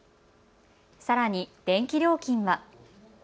さらに電気料金は。